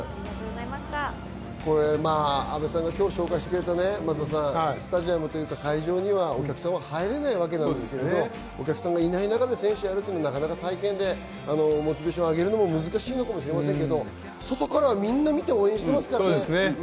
阿部さんが今日紹介してくれたスタジアム、会場にはお客さんは入れないわけですが、お客さんがいない中で選手がやるのは大変でモチベーションを上げるのも難しいかもしれませんが外から皆見て応援してますから。